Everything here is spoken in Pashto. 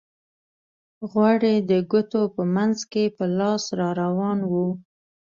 غوړ یې د ګوتو په منځ کې په لاس را روان وو.